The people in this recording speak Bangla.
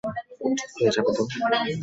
ও ঠিক হয়ে যাবে তো?